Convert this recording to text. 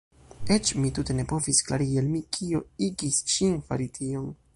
Eĉ mi tute ne povis klarigi al mi kio igis ŝin fari tion.